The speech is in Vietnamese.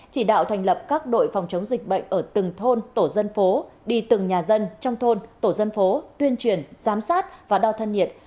chỉ đạo thành lập các đội phòng chống dịch bệnh ở từng thôn tổ dân phố đi từng nhà dân trong thôn tổ dân phố tuyên truyền giám sát và đo thân nhiệt